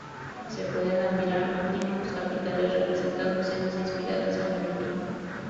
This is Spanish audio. Se pueden admirar magníficos capiteles, representando escenas inspiradas en la Biblia.